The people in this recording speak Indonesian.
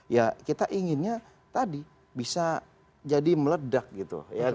ya kita inginnya tadi bisa jadi meledak gitu ya